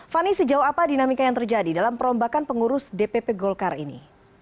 fani sejauh apa dinamika yang terjadi dalam perombakan pengurus dpp golkar ini